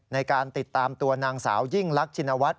ในการติดตามตัวนางสาวยิ่งลักชินวัฒน